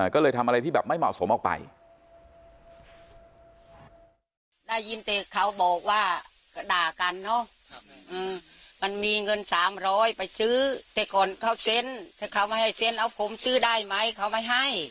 ก็เลยทำอะไรที่แบบไม่เหมาะสมออกไป